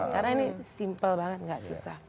karena ini simple banget nggak susah